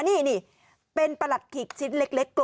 นี่เป็นประหลัดขิกชิ้นเล็ก